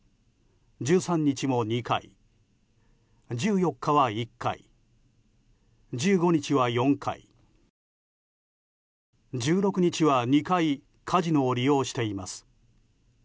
１３日も２回１４日は１回１５日は４回１６日は２回カジノを利用しています。